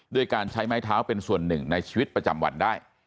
ด้วยการใช้ไม้เท้าเป็นส่วนหนึ่งในชีวิตประจำวันได้